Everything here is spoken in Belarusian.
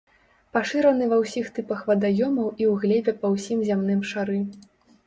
Пашыраны ва ўсіх тыпах вадаёмаў і ў глебе па ўсім зямным шары.